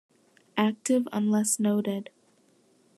Active unless noted.